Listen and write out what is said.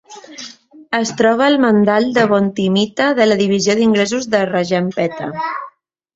Es troba al mandal de Vontimitta de la divisió d'ingressos de Rajampeta.